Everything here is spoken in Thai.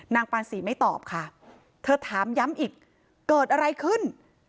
ปานศรีไม่ตอบค่ะเธอถามย้ำอีกเกิดอะไรขึ้น